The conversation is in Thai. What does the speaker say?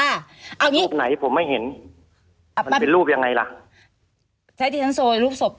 อันนี้รูปไหนผมไม่เห็นเป็นรูปยังไงล่ะ